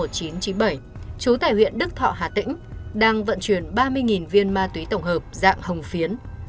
trú tại huyện đức thọ hà tĩnh đang vận chuyển ba mươi viên ma túy tổng hợp dạng hồng phiến